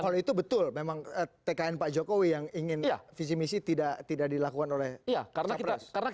kalau itu betul memang tkn pak jokowi yang ingin visi misi tidak dilakukan oleh capres